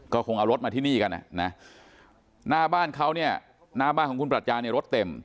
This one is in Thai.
ก็คงเอารถมาที่นี่กันนะหน้าบ้านของคุณประจานรถเต็ม